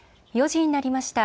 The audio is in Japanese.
４時になりました。